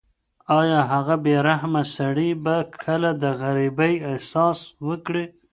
ایا هغه بې رحمه سړی به کله د غریبۍ احساس وکړي؟